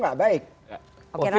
nanti baru dilanjutkan